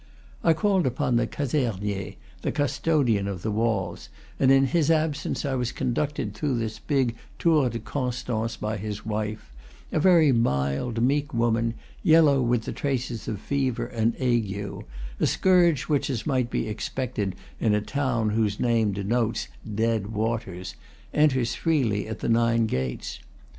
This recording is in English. I called upon the casernier, the custodian of the walls, and in his absence I was conducted through this big Tour de Constance by his wife, a very mild, meek woman, yellow with the traces of fever and ague, a scourge which, as might be ex pected in a town whose name denotes "dead waters," enters freely at the nine gates.